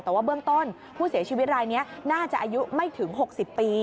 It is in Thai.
แต่ว่าเบื้องต้นผู้เสียชีวิตรายนี้น่าจะอายุไม่ถึง๖๐ปี